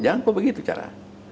jangan kok begitu cara